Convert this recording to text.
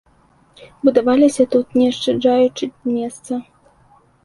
Будаваліся тут, не ашчаджаючы месца.